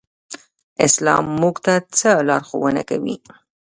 اسلام موږ ته څه لارښوونه کوي؟